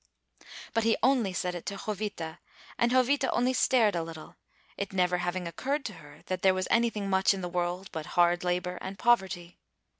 But he only said it to Jovita, and Jovita only stared a little, it never having occurred to her that there was anything much in the world but hard labor and poverty.